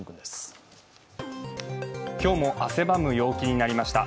今日も汗ばむ陽気になりました。